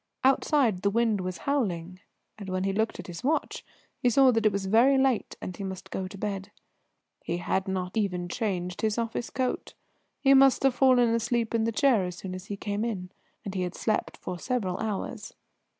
Outside the wind was howling, and when he looked at his watch he saw that it was very late and he must go to bed. He had not even changed his office coat; he must have fallen asleep in the chair as soon as he came in, and he had slept for several hours.